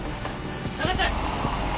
下がって！